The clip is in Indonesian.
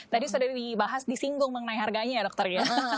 tadi sudah dibahas disinggung mengenai harganya ya dokter ya